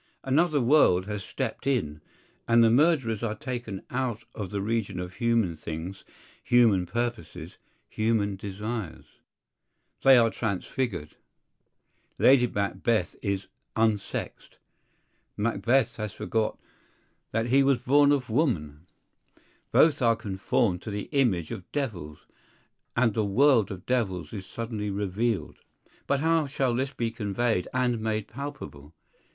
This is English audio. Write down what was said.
Another world has stepped in; and the murderers are taken out of the region of human things, human purposes, human desires. They are transfigured: Lady Macbeth is "unsexed;" Macbeth has forgot that he was born of woman; both are conformed to the image of devils; and the world of devils is suddenly revealed. But how shall this be conveyed and made palpable?